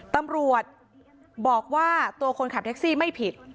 ตำรวจบอกว่าตัวคนขับแท็กซี่ไม่ผิด